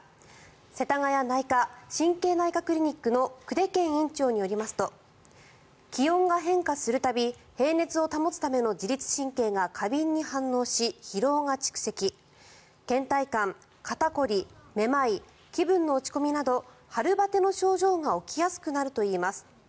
せたがや内科・神経内科クリニックの久手堅院長によりますと気温が変化する度平熱を保つための自律神経が過敏に反応し疲労が蓄積倦怠感、肩凝り、めまい気分の落ち込みなど春バテの症状が起きやすくなるといいます。